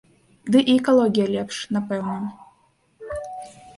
Ды і экалогія лепш, напэўна.